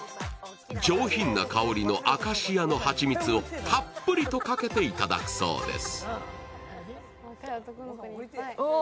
上品な香りのアカシアの蜂蜜をたっぷりとかけていただくそうです。